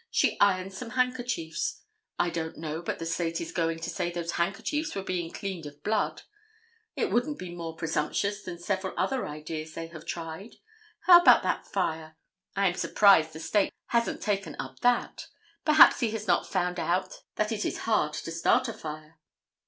She irons some handkerchiefs. I don't know but the State is going to say those handkerchiefs were being cleaned of blood. It wouldn't be more presumptuous than several other ideas they have tried. How about that fire? I am surprised the State hasn't taken up that. Perhaps he has not found out that it is hard to start a fire.